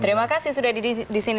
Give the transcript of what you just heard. terima kasih sudah di sini